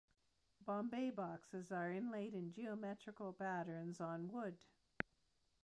Bombay boxes are inlaid in geometrical patterns on wood.